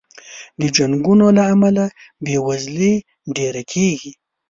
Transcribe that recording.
د جنګونو له امله بې وزلي ډېره کېږي.